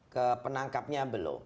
ke penangkapnya belum